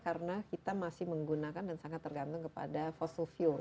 karena kita masih menggunakan dan sangat tergantung kepada fossil fuel